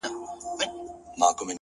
توروه سترگي ښايستې په خامـوشـۍ كي;